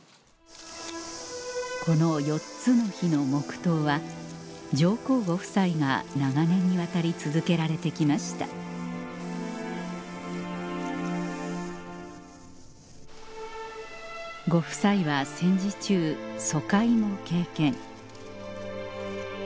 この４つの日の黙とうは上皇ご夫妻が長年にわたり続けられて来ましたご夫妻は戦時中疎開も経験